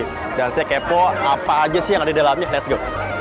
jangan saja kepo apa saja sih yang ada di dalamnya let's go